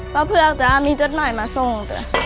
ป๊าเภือกจ้ะมีจดหมายมาส่ง